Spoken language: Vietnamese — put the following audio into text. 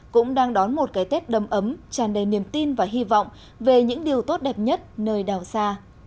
cũng đang đón một cái tết đầm ấm tràn đầy niềm tin và hy vọng về những điều tốt đẹp nhất nơi đảo xa